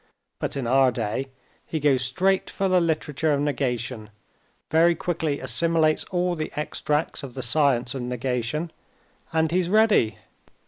But in our day he goes straight for the literature of negation, very quickly assimilates all the extracts of the science of negation, and he's ready.